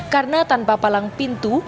karena tanpa palang pintu